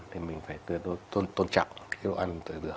thì mình phải tôn trọng chế độ ăn